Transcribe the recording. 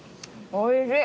おいしい！